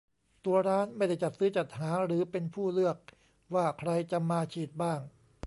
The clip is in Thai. ตัวร้านไม่ได้จัดซื้อจัดหาหรือเป็นผู้เลือกว่าใครจะมาฉีดบ้าง